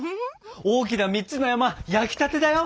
大きな３つの山焼きたてだよ！